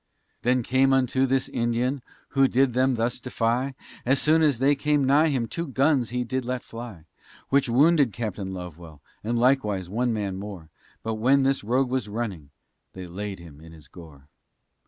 They came unto this Indian, who did them thus defy, As soon as they came nigh him, two guns he did let fly, Which wounded Captain Lovewell, and likewise one man more, But when this rogue was running, they laid him in his gore.